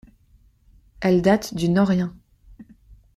Elle date du Norien.